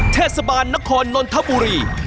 เทศบาลนครนนทบุรี